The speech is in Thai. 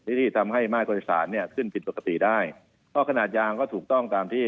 ที่ที่ทำให้มาตรฐานเนี่ยขึ้นผิดปกติได้เพราะขนาดยางก็ถูกต้องตามที่